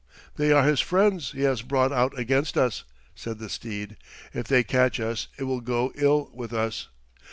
"They are his friends he has brought out against us," said the steed. "If they catch us it will go ill with us.